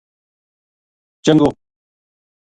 چنگو